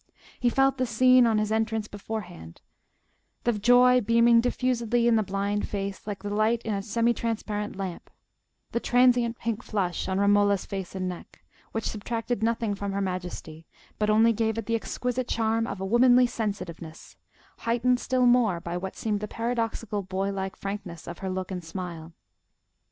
He felt the scene of his entrance beforehand: the joy beaming diffusedly in the blind face like the light in a semi transparent lamp; the transient pink flush on Romola's face and neck, which subtracted nothing from her majesty, but only gave it the exquisite charm of womanly sensitiveness, heightened still more by what seemed the paradoxical boy like frankness of her look and smile.